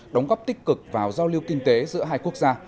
đóng góp tích cực vào giao lưu kinh tế giữa hai quốc gia